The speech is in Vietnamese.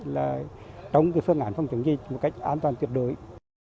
là tống phương án phòng chống dịch một cách an toàn tự đối